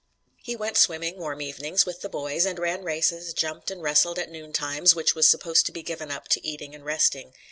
He went swimming, warm evenings, with the boys, and ran races, jumped and wrestled at noon times, which was supposed to be given up to eating and resting.